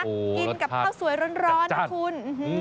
กินกับข้าวสวยร้อนนะคุณ